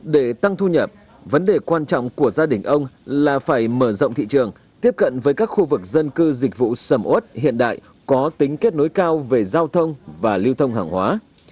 để tăng thu nhập vấn đề quan trọng của gia đình ông là phải mở rộng thị trường tiếp cận với các khu vực dân cư dịch vụ sầm ốt hiện đại có tính kết nối cao về giao thông và lưu thông hàng hóa